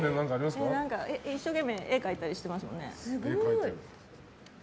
一生懸命、絵描いたりしてますね。